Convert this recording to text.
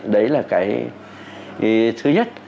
đấy là cái thứ nhất